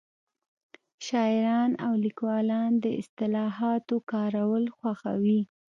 شاعران او لیکوالان د اصطلاحاتو کارول خوښوي